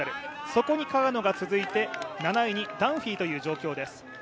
そこに川野が続いて７位にダンフィーという状況です。